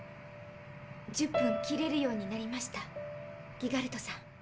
１０分切れるようになりましたギガルトさん。